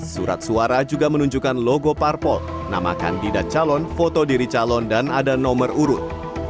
surat suara juga menunjukkan logo parpol nama kandidat calon foto diri calon dan ada nomor urut